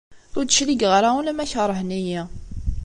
Ur d-cligeɣ ara ula ma keṛhen-iyi.